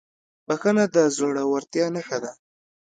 بښنه د زړهورتیا نښه ده.